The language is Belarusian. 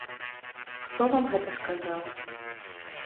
Хто вам гэта сказаў?